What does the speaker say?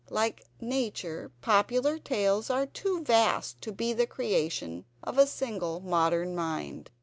Like nature, popular tales are too vast to be the creation of a single modern mind.